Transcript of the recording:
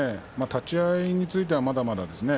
立ち合いについてはまだまだですね